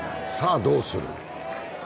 さあ、どうする？